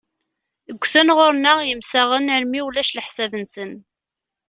Ggten ɣur-neɣ yemsaɣen armi ulac leḥsab-nsen.